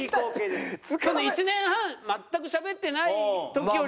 １年半全くしゃべってない時よりは。